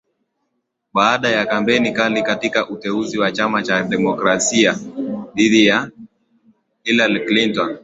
Baada ya kampeni kali katika uteuzi wa chama cha Demokrasia dhidi ya Hillary Clinton